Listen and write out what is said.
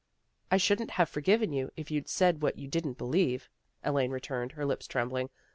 "" I shouldn't have forgiven you, if you'd said what you didn't believe," Elaine returned, her lips trembling.